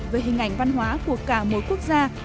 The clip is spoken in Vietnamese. về hình ảnh văn hóa của cả một quốc gia